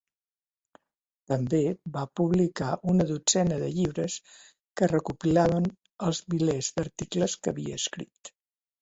També va publicar una dotzena de llibres que recopilaven els milers d'articles que havia escrit.